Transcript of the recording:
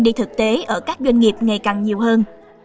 đi thực tế ở các doanh nghiệp ngày càng nhiều hơn